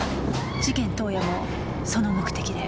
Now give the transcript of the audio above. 事件当夜もその目的で。